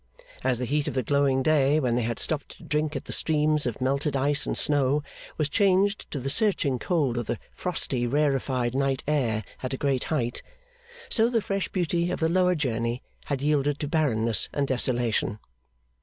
As the heat of the glowing day when they had stopped to drink at the streams of melted ice and snow, was changed to the searching cold of the frosty rarefied night air at a great height, so the fresh beauty of the lower journey had yielded to barrenness and desolation.